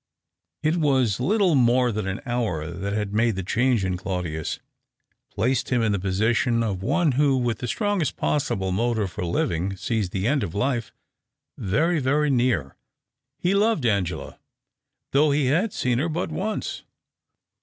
It was little more than an hour that had made the change in Claudius, placed him in the position of one who with the strongest possible motive for living sees the end of life very, very near. He loved Angela though he had seen her but once.